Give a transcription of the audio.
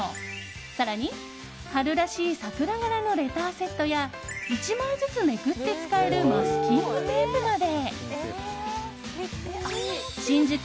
更に、春らしい桜柄のレターセットや１枚ずつ、めくって使えるマスキングテープまで。